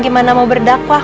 gimana mau berdakwah